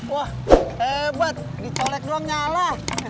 wah hebat dicolek doang nyala